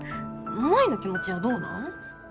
舞の気持ちはどうなん？